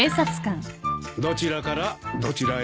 どちらからどちらへ？